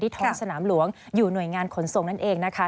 ท้องสนามหลวงอยู่หน่วยงานขนส่งนั่นเองนะคะ